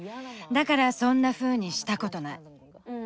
だからそんなふうにしたことない。